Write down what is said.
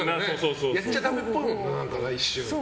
やっちゃダメみたいな、一瞬。